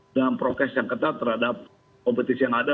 dengan prokes yang ketat terhadap kompetisi yang ada